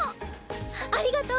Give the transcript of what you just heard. ありがとう。